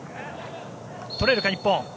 取れるか、日本。